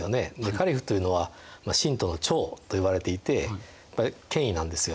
カリフっていうのは信徒の長と呼ばれていて権威なんですよ。